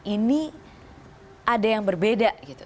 ini ada yang berbeda gitu